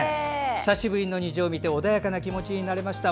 久しぶりに虹を見て穏やかな気持ちになりました。